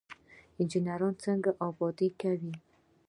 انجنیران څنګه ابادي کوي؟